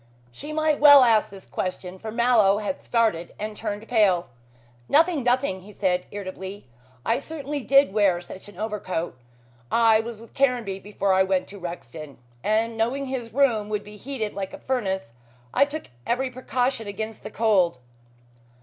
She might well ask this question, for Mallow had started and turned pale. "Nothing! nothing," he said irritably. "I certainly did wear such an overcoat. I was with Caranby before I went to Rexton, and knowing his room would be heated like a furnace, I took every precaution against cold."